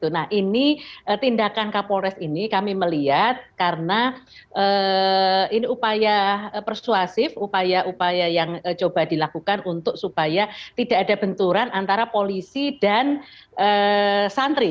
nah ini tindakan kapolres ini kami melihat karena ini upaya persuasif upaya upaya yang coba dilakukan untuk supaya tidak ada benturan antara polisi dan santri